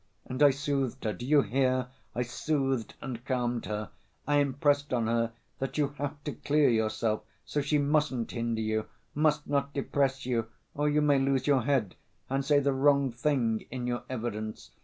And I soothed her, do you hear? I soothed and calmed her. I impressed on her that you have to clear yourself, so she mustn't hinder you, must not depress you, or you may lose your head and say the wrong thing in your evidence.